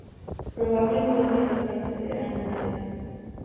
Probablemente los meses eran lunares.